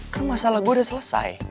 kan masalah gue udah selesai